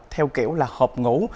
theo kiểu là hộp ngủ